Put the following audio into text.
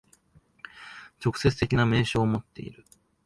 直接的な明証をもっている。